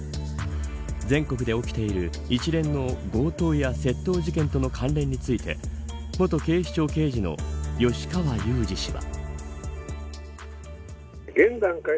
全国で起きている一連の強盗や窃盗事件との関連について元警視庁刑事の吉川祐二氏は。